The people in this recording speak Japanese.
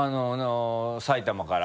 埼玉から？